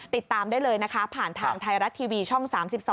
ติดตามได้เลยนะคะผ่านทางไทยรัฐทีวีช่อง๓๒